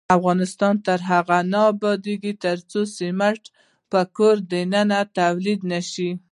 افغانستان تر هغو نه ابادیږي، ترڅو سمنټ په کور دننه تولید نشي.